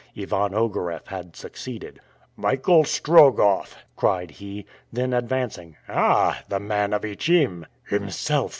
Ivan Ogareff had succeeded. "Michael Strogoff!" cried he. Then advancing, "Ah, the man of Ichim?" "Himself!"